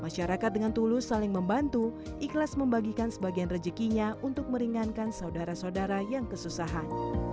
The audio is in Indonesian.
masyarakat dengan tulus saling membantu ikhlas membagikan sebagian rejekinya untuk meringankan saudara saudara yang kesusahan